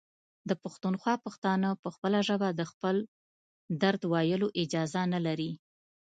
د پښتونخوا پښتانه په خپله ژبه د خپل درد ویلو اجازه نلري.